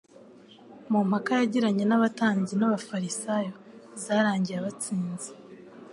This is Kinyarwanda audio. Mu mpaka yagiranye n'abatambyi n'abafarisayo zarangiye abatsinze;